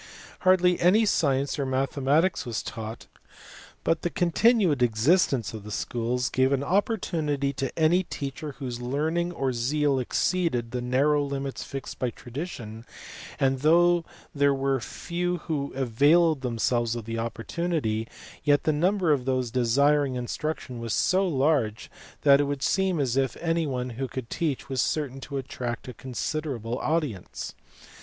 Hardly any science or mathematics was taught, but the continued existence of the | schools gave an opportunity to any teacher whose learning or zeal exceeded the narrow limits fixed by tradition ; and though there were but few who availed themselves of the oppor tunity, yet the number of those desiring instruction was so large that it would seem as if any one who could teach was certain to attract a considerable audience.